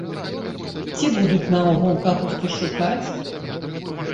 Ці будуць наогул кагосьці шукаць?